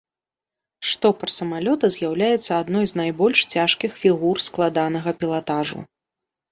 Штопар самалёта з'яўляецца адной з найбольш цяжкіх фігур складанага пілатажу.